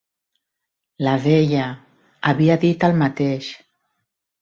La vella havia dit el mateix.